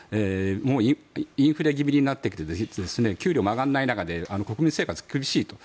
もうインフレ気味になってきて給料も上がらない中で国民生活が厳しいと。